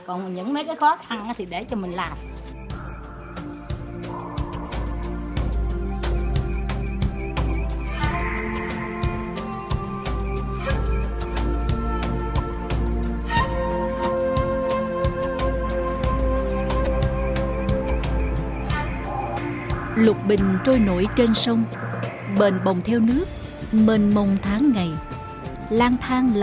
còn những mấy cái khó khăn thì để cho mình làm